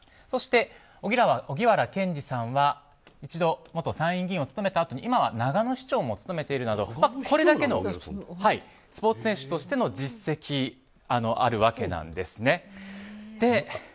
そして、荻原健司さんは一度、参院議員を務めたあとに今は長野市長も務めているなどこれだけのスポーツ選手としての実績があるわけなんですね。